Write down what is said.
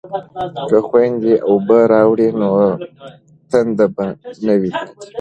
که خویندې اوبه راوړي نو تنده به نه وي پاتې.